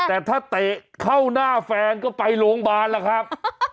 แต่ถ้าเตะเข้าหน้าแฟนก็ไปโรงพยาบาลล่ะครับ